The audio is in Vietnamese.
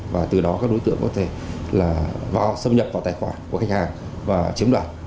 và từ đó các đối tượng có thể là vào xâm nhập vào tài khoản của khách hàng và chiếm đoạt